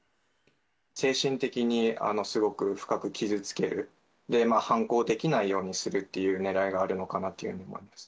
精神的にすごく深く傷つける、反抗できないようにするっていうねらいがあるのかなと思います。